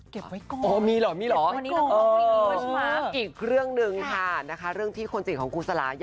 เก็บไว้ก่อนอ่อมีหรออีกเรื่องนึงค่ะเรื่องที่คนจีนของกูศลา